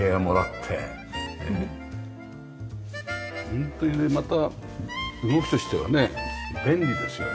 ホントにねまた動きとしてはね便利ですよね。